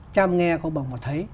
chăm nghe không bằng một thấy